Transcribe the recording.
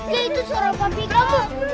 ya itu suara papi kamu